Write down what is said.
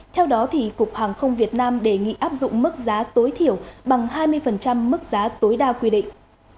theo đó cục hàng không việt nam đề nghị áp dụng mức giá tối thiểu bằng hai mươi mức giá tối đa quy định